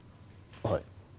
はい。